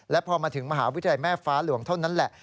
และพอมาถึงมหาวิทยาลัยแม่ฟ้าหลวงเท่านั้นแหละ